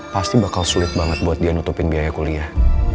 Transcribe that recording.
pasti bakal sulit banget buat dia nutupin biaya kuliah